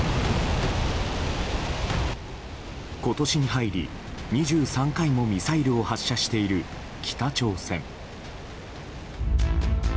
今年に入り、２３回もミサイルを発射している北朝鮮。